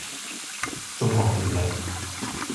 中國電力